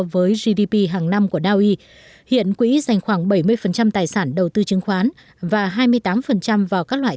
với gdp hàng năm của naui hiện quỹ dành khoảng bảy mươi tài sản đầu tư chứng khoán và hai mươi tám vào các loại